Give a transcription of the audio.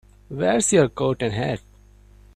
Where's your coat and hat?